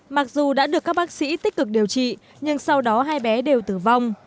mặc dù đã được các bác sĩ tích cực điều trị nhưng sau đó hai bé đều tử vong